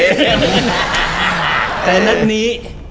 แต่นัดนี้